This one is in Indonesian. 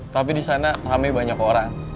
tapi disana rame banyak orang